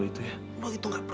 ratu ratu anfal gar